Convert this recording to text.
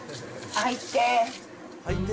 入ってー。